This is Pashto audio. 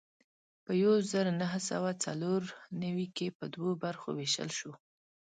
په یو زر نهه سوه څلور نوي کې په دوو برخو وېشل شو.